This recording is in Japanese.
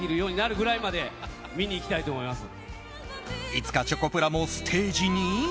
いつかチョコプラもステージに？